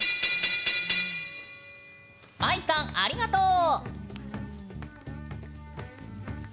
まいさん、ありがとう。